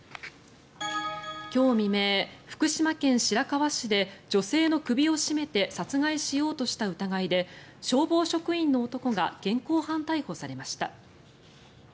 今日未明、福島県白河市で女性の首を絞めて殺害しようとした疑いで消防職員の男が現行犯逮捕されました。